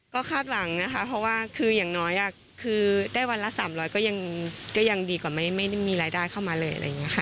ก็คาดหวังนะคะเพราะว่าคืออย่างน้อยคือได้วันละ๓๐๐ก็ยังดีกว่าไม่มีรายได้เข้ามาเลยอะไรอย่างนี้ค่ะ